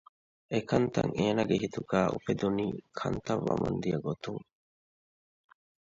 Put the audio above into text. އެކަންތައް އޭނަގެ ހިތުގައި އުފެދުނީ ކަންތައް ވަމުން ދިޔަ ގޮތުން